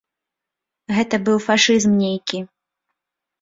Гэта быў бы фашызм нейкі.